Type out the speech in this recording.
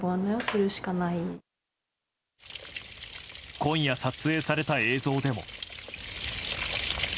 今夜撮影された映像でも。